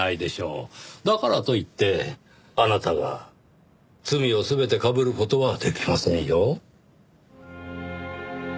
だからといってあなたが罪を全てかぶる事はできませんよ。